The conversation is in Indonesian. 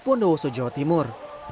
bondowoso jawa timur